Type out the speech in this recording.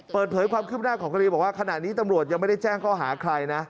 เปิดเผยความคืบหน้าของคดีบอกว่าขณะนี้ตำรวจยังไม่ได้แจ้งข้อหาใครนะ